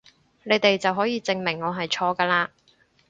你哋就可以證明我係錯㗎嘞！